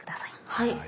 はい。